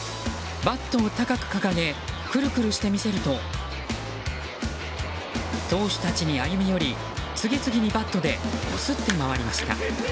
バットを高く掲げクルクルしてみせると投手たちに歩み寄り次々にバットでこすって回りました。